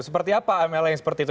seperti apa mla yang seperti itu